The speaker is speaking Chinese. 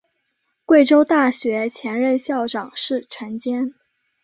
贵州大学前任校长是陈坚。